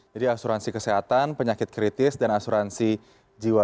jadi asuransi kesehatan penyakit kritis dan asuransi jiwa